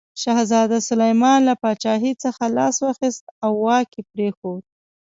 شهزاده سلیمان له پاچاهي څخه لاس واخیست او واک یې پرېښود.